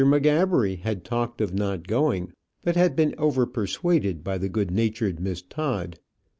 M'Gabbery had talked of not going, but had been over persuaded by the good natured Miss Todd.